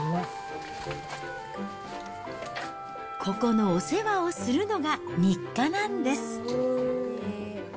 ここのお世話をするのが日課なんです。